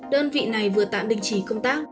đơn vị này vừa tạm đình chỉ công tác